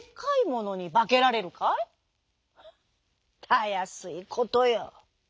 「たやすいことよ」。